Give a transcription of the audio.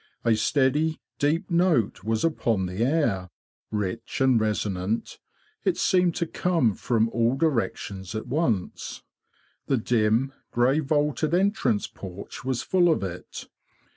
A steady, deep note was upon the air. Rich and resonant, it seemed to come from all directions at once. The dim, grey vaulted entrance porch was full of it.